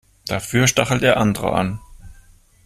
Dafür stachelt er andere an.